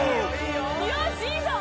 よしいいぞ！